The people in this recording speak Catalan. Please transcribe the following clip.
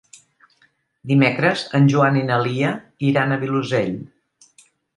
Dimecres en Joan i na Lia iran al Vilosell.